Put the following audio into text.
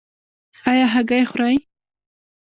ایا هګۍ خورئ؟